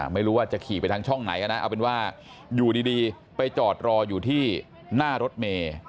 ไม่รู้ว่าจะขี่ไปทางช่องไหนนะเอาเป็นว่าอยู่ดีไปจอดรออยู่ที่หน้ารถเมย์